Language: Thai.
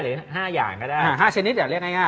หรือ๕อย่างก็ได้